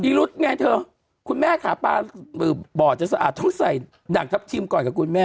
รุธไงเธอคุณแม่ขาปลาบ่อจะสะอาดเท่าใส่ด่างทัพทิมก่อนกับคุณแม่